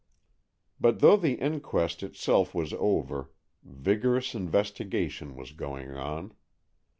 But though the inquest itself was over, vigorous investigation was going on.